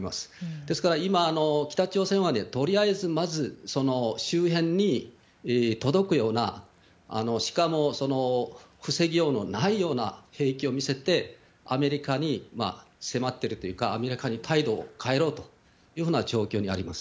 ですから、今、北朝鮮はとりあえず、まず周辺に届くような、しかも防ぎようのないような兵器を見せて、アメリカに迫ってるというか、アメリカに態度を変えろというふうな状況にあります。